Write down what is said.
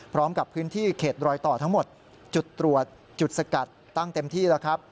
พร้อมกับพื้นที่เขตรอยต่อทั้งหมดจุดตรวจจุดสกัดตั้งเต็มที่แล้วครับ